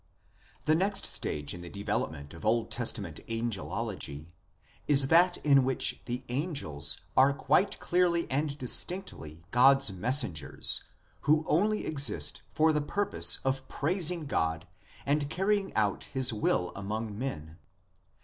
The next stage in the development of Old Testament angelology is that in which the angels are quite clearly and distinctly God s messengers, who only exist for the purpose of praising God and carrying out His will among men.